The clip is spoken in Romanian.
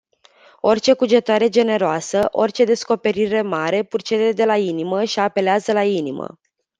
Orice cugetare generoasă, orice descoperire mare purcede de la inimă și apeleaza la inimă.